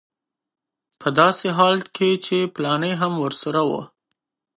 په داسې حال کې چې فلانی هم ورسره و.